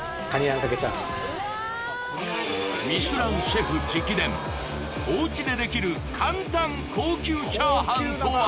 ミシュランシェフ直伝おうちでできる簡単高級炒飯とは